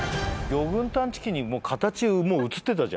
魚群探知機にもう形映ってたじゃん。